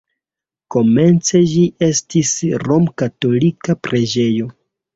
Komence ĝi estis romkatolika preĝejo.